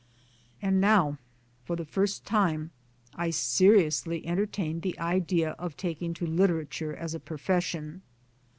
And now for the first time I seriously entertained the idea of taking to literature as a profession.